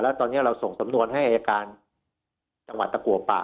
แล้วตอนนี้เราส่งสำนวนให้อายการจังหวัดตะกัวป่า